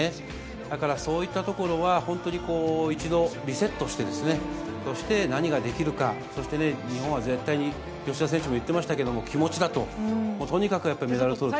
だから、そういったところは、本当に一度リセットしてですね、そして、何ができるか、そして日本は絶対に、吉田選手も言ってましたけれども、気持ちだと、とにかくやっぱりメダルをとるとね。